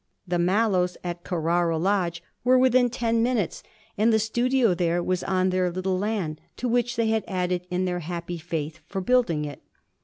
The Mallows, at Carrara Lodge, were within ten minutes, and the studio there was on their little land, to which they had added, in their happy faith, for building it.